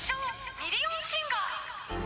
ミリオンシンガー・うまっ！